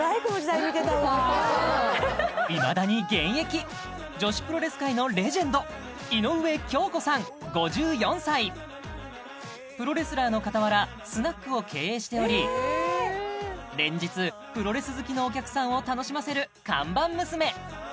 いまだに現役女子プロレス界のレジェンドプロレスラーのかたわらスナックを経営しており連日プロレス好きのお客さんを楽しませる看板娘